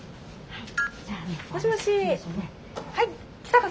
はい。